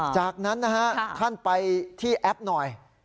จากนั้นนะฮะท่านไปที่แอปหน่อย